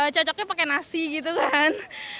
cocoknya pakai nasi gitu kan